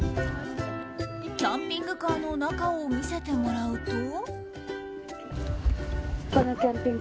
キャンピングカーの中を見せてもらうと。